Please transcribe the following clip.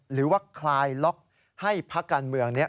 หรือว่าคลายล็อกให้พักการเมืองนี้